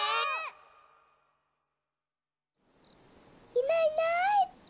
いないいない。